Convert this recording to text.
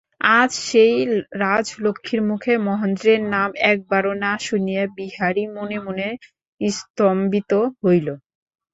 আজ সেই রাজলক্ষ্মীর মুখে মহেন্দ্রের নাম একবারও না শুনিয়া বিহারী মনে মনে স্তম্ভিত হইল।